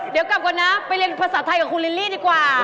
เดี๋ยวกลับก่อนนะไปเรียนภาษาไทยกับคุณลิลลี่ดีกว่า